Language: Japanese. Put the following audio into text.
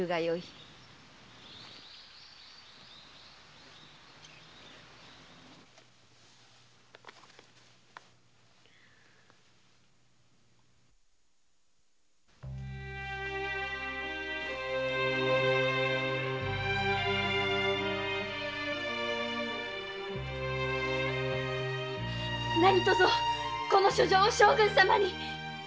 何とぞこの書状を将軍様に。